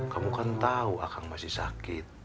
kamu kan tahu akang masih sakit